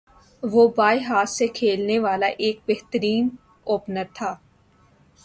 وہ بائیں ہاتھ سےکھیلنے والا ایک بہترین اوپنر تھا